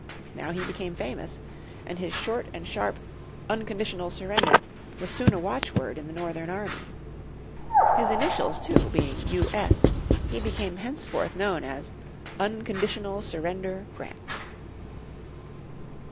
Now he became famous, and his short and sharp "unconditional surrender" was soon a watchword in the Northern army. His initials too being U. S. he became henceforth known as Unconditional Surrender Grant.